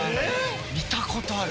見たことある。